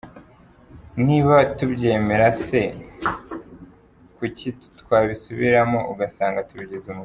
Niba tubyemera se, kuki twabisubiramo, ugasanga tubigize umuco.